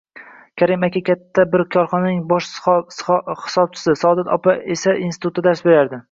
Karim aka katta bir korxonaning bosh hisobchisi, Saodat opa esainstitutda dars berardi